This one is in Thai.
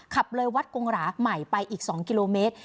ขับเลยวัดกงหราใหม่ไปอีก๒กิโลเมตร